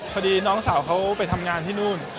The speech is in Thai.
พอดีน้องสาวเขาไปทำงานที่นู่น